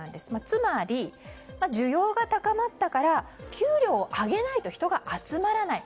つまり、需要が高まったから給料を上げないと人が集まらない。